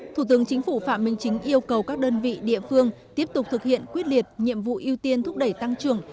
thủ tướng chính phủ phạm minh chính yêu cầu các đơn vị địa phương tiếp tục thực hiện quyết liệt nhiệm vụ ưu tiên thúc đẩy tăng trưởng